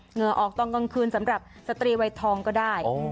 เหงื่อออกตอนกลางคืนสำหรับสตรีวัยทองก็ได้